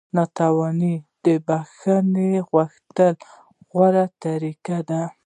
نانواتې د بخښنې غوښتلو غوره طریقه ده.